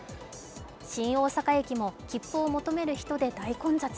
新大阪駅も切符を求める人で大混雑。